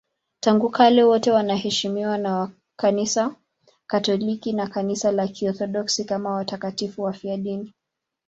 Tangu kale wote wanaheshimiwa na Kanisa Katoliki na Kanisa la Kiorthodoksi kama watakatifu wafiadini.